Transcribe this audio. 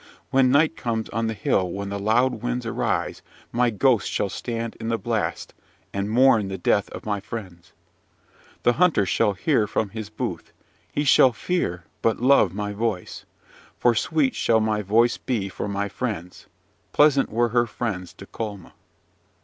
When night comes on the hill when the loud winds arise my ghost shall stand in the blast, and mourn the death of my friends. The hunter shall hear from his booth; he shall fear, but love my voice! For sweet shall my voice be for my friends: pleasant were her friends to Colma.